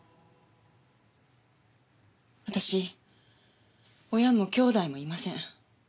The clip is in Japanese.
私親も兄弟もいません。